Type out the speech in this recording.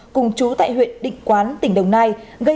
cùng chú tại huyện định quán tỉnh đồng nai